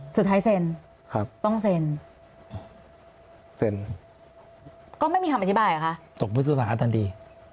เซ็นครับต้องเซ็นเซ็นก็ไม่มีคำอธิบายเหรอคะตกพฤษภาทันที